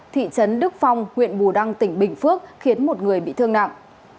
thị trấn đức phong huyện bù đăng tỉnh bình phước khiến một người bị thương nặng